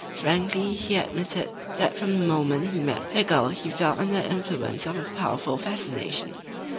Frankly he admitted that from the moment he met the girl he fell under the influence of a powerful fascination.